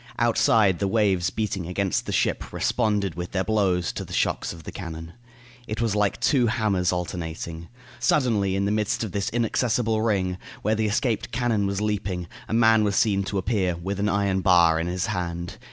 Outside, the waves beating against the ship responded with their blows to the shocks of the cannon. It was like two hammers alternating. Suddenly, in the midst of this inaccessible ring, where the escaped cannon was leaping, a man was seen to appear, with an iron bar in his hand.